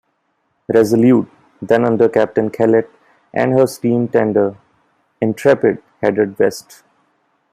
"Resolute", then under Captain Kellett, and her steam tender, "Intrepid", headed west.